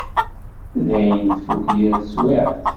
Dayen tfukk yir teswiɛt.